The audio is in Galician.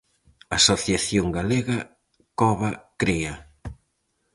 Asociación galega Cova Crea.